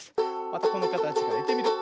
またこのかたちからいってみるよ。